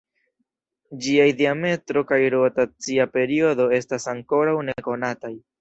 Ĝiaj diametro kaj rotacia periodo estas ankoraŭ nekonataj.